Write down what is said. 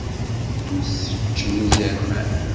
Mseččen izerman.